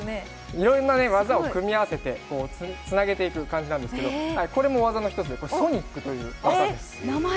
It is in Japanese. いろいろな技を組み合わせてつなげていくんですけど、これも技の一つでソニックという技です。